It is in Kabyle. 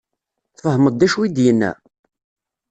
Tfehmeḍ d acu i d-yenna?